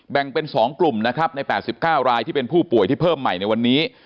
แบ่งเป็น๒กลุ่มนะครับใน๘๙รายที่เป็นผู้ป่วยที่เพิ่มใหม่ในวันนี้